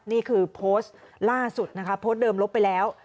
นี่คือโพสต์ล่าสุดนะคะโพสต์เดิมลบไปแล้ว